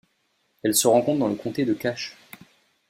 Elle se rencontre dans le comté de Cache.